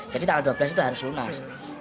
jadi tanggal dua belas itu harus lunas